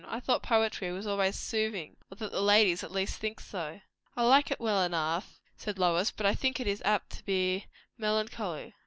I thought poetry was always soothing. Or that the ladies at least think so." "I like it well enough," said Lois, "but I think it is apt to be melancholy.